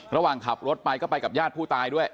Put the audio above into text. ระหว่างขับรถไปก็ไปกับญาติผู้ตายด้วย